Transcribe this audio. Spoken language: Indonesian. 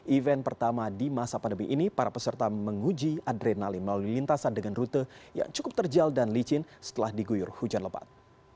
event pertama di masa pandemi ini para peserta menguji adrenalin melalui lintasan dengan rute yang cukup terjal dan licin setelah diguyur hujan lebat